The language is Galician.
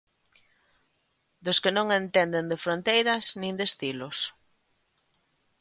Dos que non entenden de fronteiras nin de estilos.